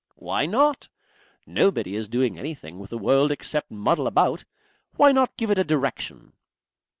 "Why not? Nobody is doing anything with the world except muddle about. Why not give it a direction?"